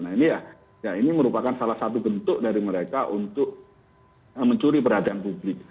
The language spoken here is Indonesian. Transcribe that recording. nah ini ya ini merupakan salah satu bentuk dari mereka untuk mencuri perhatian publik